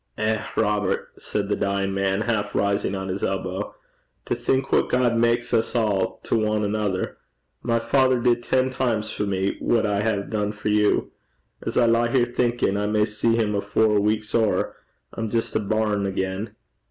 'Eh, Robert!' said the dying man, half rising on his elbow, 'to think what God maks us a' to ane anither! My father did ten times for me what I hae dune for you. As I lie here thinkin' I may see him afore a week's ower, I'm jist a bairn again.'